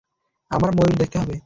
আমার ময়ূর দেখতে হবে।